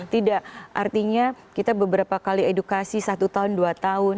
tidak artinya kita beberapa kali edukasi satu tahun dua tahun